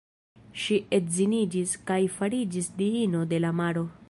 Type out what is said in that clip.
Ŝi edziniĝis, kaj fariĝis diino de la maro.